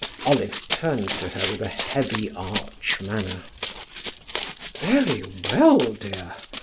Olive turned to her with a heavy arch manner. "Very well, dear.